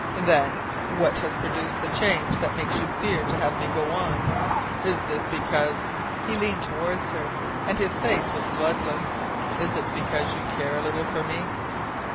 "Then what has produced the change that makes you fear to have me go on? Is it because" he leaned toward her, and his face was bloodless "Is it because you care a little for me?"